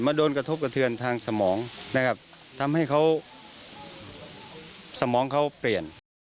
โดนกระทบกระเทือนทางสมองนะครับทำให้เขาสมองเขาเปลี่ยน